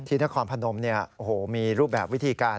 นครพนมมีรูปแบบวิธีการ